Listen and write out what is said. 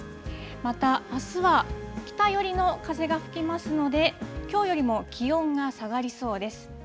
またあすは北寄りの風が吹きますので、きょうよりも気温が下がりそうです。